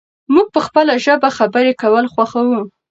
موږ په خپله ژبه خبرې کول خوښوو.